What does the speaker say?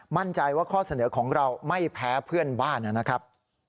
มั่นใจว่าข้อเสนอของเราไม่แพ้เพื่อนบ้านนะครับ